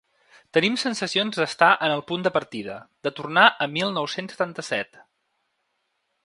Tenim sensacions d’estar en el punt de partida, de tornar a mil nou-cents setanta-set.